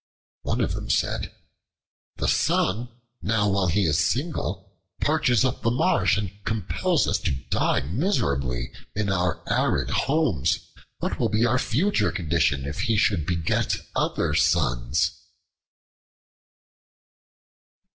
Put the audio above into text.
One of them said, "The Sun, now while he is single, parches up the marsh, and compels us to die miserably in our arid homes. What will be our future condition if he should beget other suns?"